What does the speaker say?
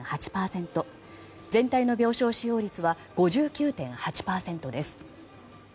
全体の病床使用率は５９．８％です。